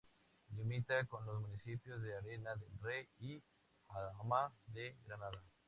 Limita con los municipios de Arenas del Rey y Alhama de Granada.